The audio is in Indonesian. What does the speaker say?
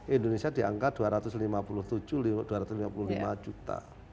indonesia di angka dua ratus lima puluh tujuh dua ratus lima puluh lima juta